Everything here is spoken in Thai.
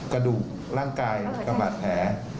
กระดูกร่างกายกับบาดแผล